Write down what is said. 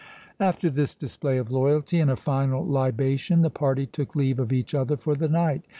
After this display of loyalty, and a final libation, the party took leave of each other for the night.